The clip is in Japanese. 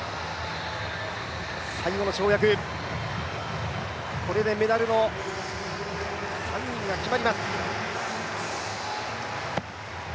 最後の跳躍、これでメダルの３位が決まります。